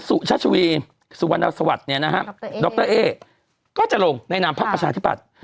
ชัชวีสุวรรณสวัสดิ์เนี่ยนะฮะดรเอ๊ก็จะลงในนามพักประชาธิบัติ